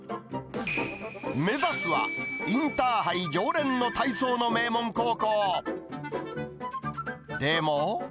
目指すは、インターハイ常連の体操の名門高校。